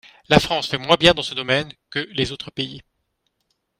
La France fait moins bien dans ce domaine que les autres pays.